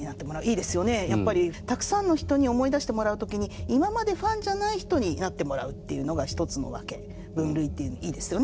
やっぱりたくさんの人に思い出してもらう時に今までファンじゃない人になってもらうっていうのが一つの分け分類っていうのいいですよね。